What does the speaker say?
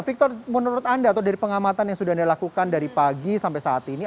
victor menurut anda dari pengamatan yang sudah dilakukan dari pagi sampai saat ini